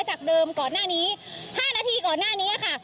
จากเดิมก่อนหน้านี้๕นาทีก่อนหน้านี้ค่ะ